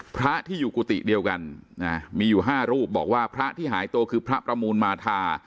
พระที่อยู่กุฏิเดียวกันมีอยู่๕รูปบอกว่าพระที่หายตัวคือพระประมูลมาทา